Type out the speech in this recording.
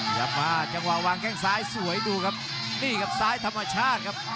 กลับมาจังหวะวางแข้งซ้ายสวยดูครับนี่ครับซ้ายธรรมชาติครับ